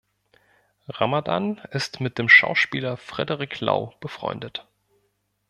Ramadan ist mit dem Schauspieler Frederick Lau befreundet.